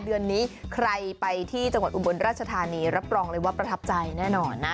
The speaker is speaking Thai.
เดือนนี้ใครไปที่จังหวัดอุบลราชธานีรับรองเลยว่าประทับใจแน่นอนนะ